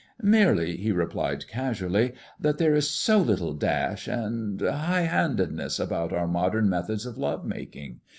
"Merely," he replied casually, "that there is so little dash and and high handedness about our modern methods of love making.